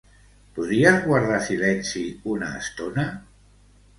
Podries guardar silenci una estona?